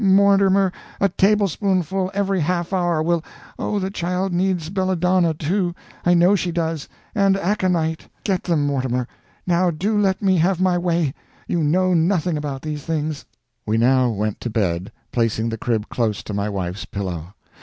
Mortimer, a tablespoonful every half hour will Oh, the child needs belladonna, too; I know she does and aconite. Get them, Mortimer. Now do let me have my way. You know nothing about these things." We now went to bed, placing the crib close to my wife's pillow.